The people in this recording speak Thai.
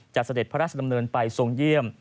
เสด็จพระราชดำเนินไปทรงเยี่ยม